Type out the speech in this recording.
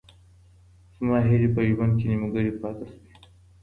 زما هیلې په ژوند کي نیمګړې پاتې سوې.